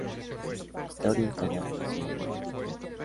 Está orientada hacia oriente.